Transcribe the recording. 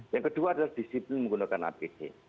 yang kedua adalah disiplin menggunakan apd